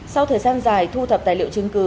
sau thời gian dài thu thập tài liệu chứng cứ